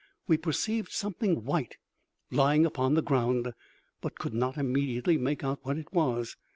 We perceived something white lying upon the ground, but could not immediately make out what it was.